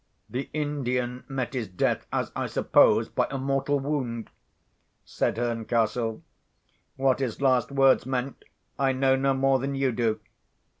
"The Indian met his death, as I suppose, by a mortal wound," said Herncastle. "What his last words meant I know no more than you do."